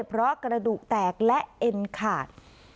เพราะกระดูกแตกและเอ็นขาด